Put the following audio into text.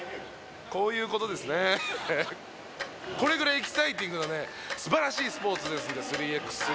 これぐらいエキサイティングなね素晴らしいスポーツですので３ｘ３。